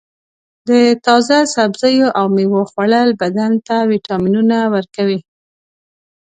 د تازه سبزیو او میوو خوړل بدن ته وټامینونه ورکوي.